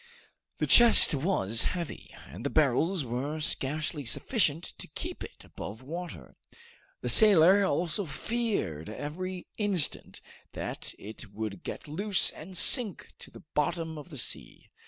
The chest was heavy, and the barrels were scarcely sufficient to keep it above water. The sailor also feared every instant that it would get loose and sink to the bottom of the sea.